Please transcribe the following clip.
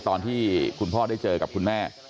ตอนที่คุณพ่อได้เจอกับคุณแม่